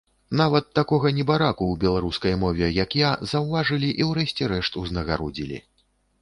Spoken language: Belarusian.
Нават такога небараку ў беларускай мове як я, заўважылі і ў рэшце рэшт узнагародзілі.